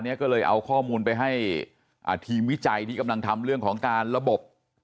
ก็เลยเอาข้อมูลไปให้อ่าทีมวิจัยที่กำลังทำเรื่องของการระบบ